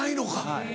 はい。